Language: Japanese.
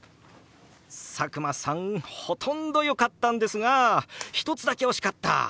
佐久間さんほとんどよかったんですが１つだけ惜しかった！